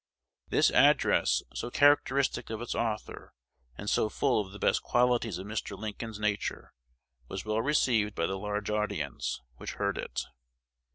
This address, so characteristic of its author, and so full of the best qualities of Mr. Lincoln's nature, was well received by the large audience which heard it.